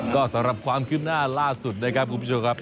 ก็สำหรับความคืบหน้าล่าสุดนะครับคุณผู้ชมครับ